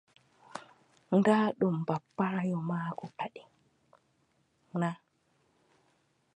Naa ɗum bappaayo maako kadi na.